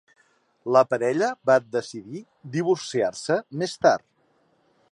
La parella va decidir divorciar-se més tard.